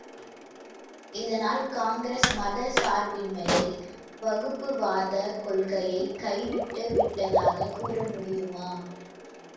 இதனால் காங்கிரஸ் மதச் சார்பின்மையை வகுப்புவாதக் கொள்கையைக் கைவிட்டு விட்டதாகக் கூற முடியுமா?